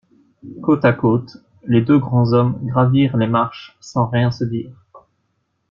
Côte à côte, les deux grands hommes gravirent les marches, sans rien se dire.